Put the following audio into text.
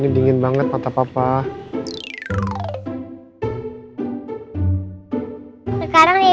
bisa buka dulu matanya